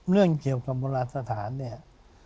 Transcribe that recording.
เรื่องเกี่ยวกับโบราณสถานเนี่ย